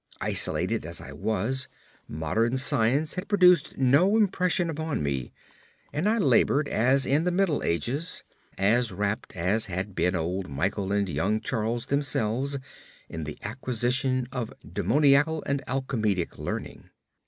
Isolated as I was, modern science had produced no impression upon me, and I laboured as in the Middle Ages, as wrapt as had been old Michel and young Charles themselves in the acquisition of demonological and alchemical learning.